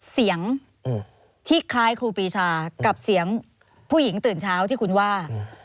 เสียงที่คล้ายครูปีชากับเสียงผู้หญิงตื่นเช้าที่คุณว่า